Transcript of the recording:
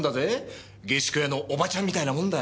下宿屋のおばちゃんみたいなもんだ。